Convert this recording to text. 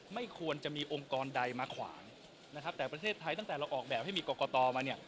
ไม่ควรจะมีองค์กรใดมาขวางนะครับแต่ประเทศไทยตั้งแต่เราออกแบบให้มีกรกตมาเนี่ย